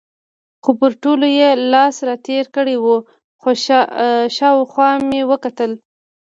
خو پر ټولو یې لاس را تېر کړی و، شاوخوا مې وکتل.